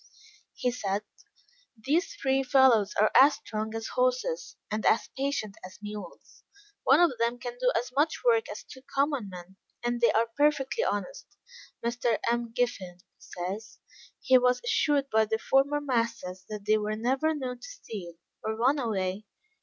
He said, "These three fellows are as strong as horses, and as patient as mules; one of them can do as much work as two common men, and they are perfectly honest. Mr. M'Giffin says, he was assured by their former masters that they were never known to steal, or run away.